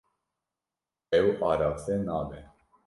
Ew araste nabe.